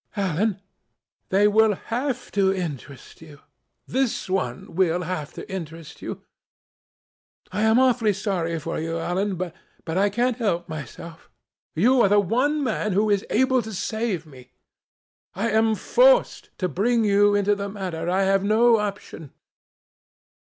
"Alan, they will have to interest you. This one will have to interest you. I am awfully sorry for you, Alan. But I can't help myself. You are the one man who is able to save me. I am forced to bring you into the matter. I have no option.